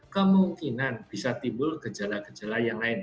kemungkinan bisa timbul gejala gejala yang lain